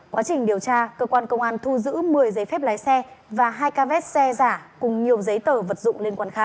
quá trình điều tra cơ quan công an thu giữ một mươi giấy phép lái xe và hai ca vét xe giả cùng nhiều giấy tờ vật dụng